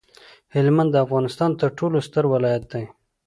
هلمند د افغانستان ترټولو ستر ولایت دی